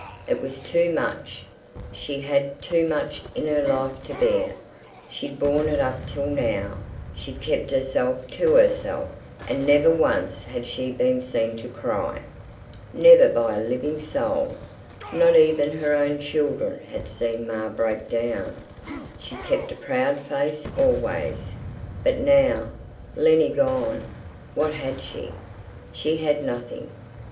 It was too much—she'd had too much in her life to bear. She'd borne it up till now, she'd kept herself to herself, and never once had she been seen to cry. Never by a living soul. Not even her own children had seen Ma break down. She'd kept a proud face always. But now! Lennie gone—what had she? She had nothing.